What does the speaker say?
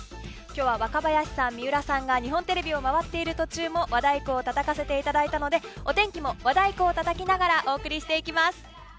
今日は若林さん、水卜さんが日本テレビを回っている途中も和太鼓をたたかせていただいたのでお天気も和太鼓をたたきながらお送りしていきます。